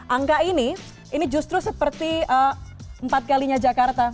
angka ini ini justru seperti empat kalinya jakarta